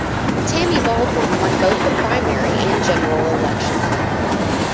Tammy Baldwin won both the primary and general election.